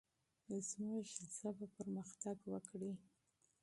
زموږ ژبه پرمختګ وکړي.